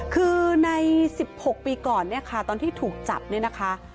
คือใน๑๖ปีก่อนเนี่ยค่ะตอนที่ถูกจับเนี่ยนะคะ